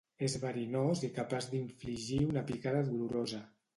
És verinós i capaç d'infligir una picada dolorosa.